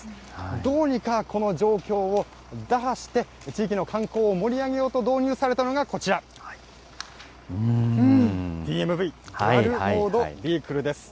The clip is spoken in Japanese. どうにかこの状況を打破して、地域の観光を盛り上げようと導入されたのがこちら、ＤＭＶ・デュアル・モード・ビーグルです。